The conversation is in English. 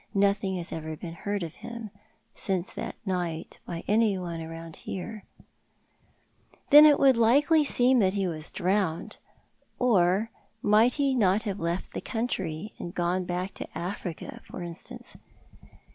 Nothing has ever been beard of him since that night by anyone about here." " Then it would seem likely that he was drowned. Or might he not have left the country— gone back to Africa, for instance?"